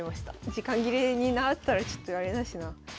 時間切れになったらちょっとあれだしな。